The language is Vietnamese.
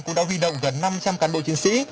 cũng đã huy động gần năm trăm linh cán bộ chiến sĩ